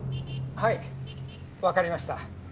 はい分かりました。